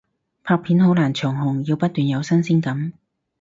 拍片好難長紅，要不斷有新鮮感